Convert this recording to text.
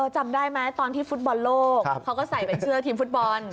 จำได้ไหมตอนที่ฟุตบอลโลกเขาก็ใส่เป็นเสื้อทีมฟุตบอล